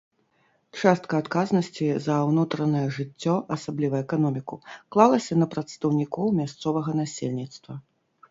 Частка адказнасці за ўнутранае жыццё, асабліва эканоміку, клалася на прадстаўнікоў мясцовага насельніцтва.